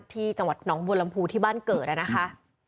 ที่จังหวัดหนองบัวลำพูที่บ้านเกิดนะคะ